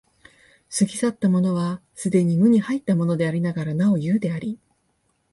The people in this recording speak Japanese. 過ぎ去ったものは既に無に入ったものでありながらなお有であり、